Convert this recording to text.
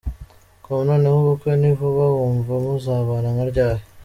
com: Noneho ubukwe ni vuba? Wumva muzabana nka ryari?.